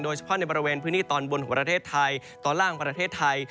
เฉพาะในบริเวณพื้นที่ตอนบนของประเทศไทยตอนล่างประเทศไทย